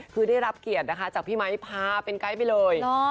คือได้รับเกียรตินะคะจากพี่ไมค์พาเป็นไกด์ไปเลย